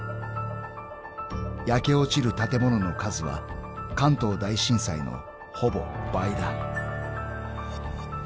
［焼け落ちる建物の数は関東大震災のほぼ倍だ］